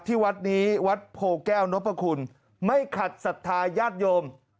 ที่วัดนี้วัดโพแก้วนพคุณไม่ขัดศรัทธาญาติโยม